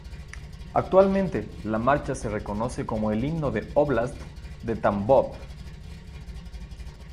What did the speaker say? Actualmente, la marcha se reconoce como el himno del Óblast de Tambov.